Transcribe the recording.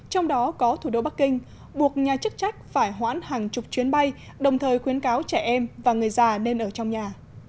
trong đó có thủ đô bắc kinh buộc nhà chức trách phải hoãn hàng chục chuyến bay đồng thời khuyến cáo trẻ em và người già nên ở trong nhà